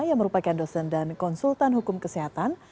yang merupakan dosen dan konsultan hukum kesehatan